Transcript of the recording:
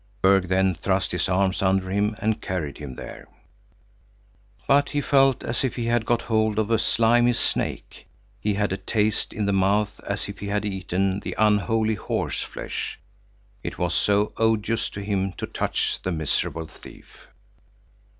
Berg then thrust his arms under him and carried him there. But he felt as if he had got hold of a slimy snake; he had a taste in the mouth as if he had eaten the unholy horseflesh, it was so odious to him to touch the miserable thief.